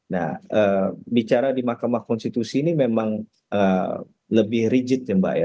nah bicara di mahkamah konstitusi ini memang lebih rigid ya mbak ya